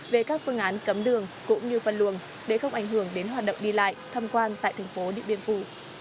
về các phương án cấm đường cũng như phân luồng để không ảnh hưởng đến hoạt động đi lại thăm quan tại thành phố điện biên phủ